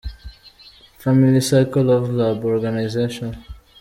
‘Family Circle Love Lab Organization ’.